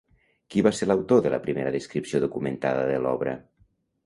Qui va ser l'autor de la primera descripció documentada de l'obra?